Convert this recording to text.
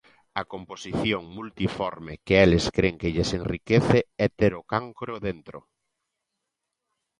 A composición multiforme que eles cren que lles enriquece é ter o cancro dentro.